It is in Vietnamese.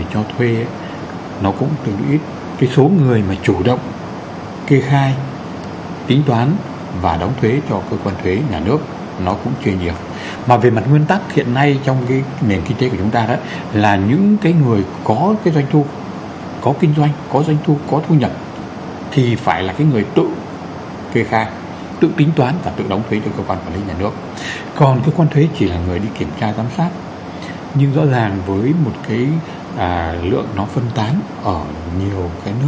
cho thuê nhà ở cho thuê mặt bằng kinh doanh tại các chung cư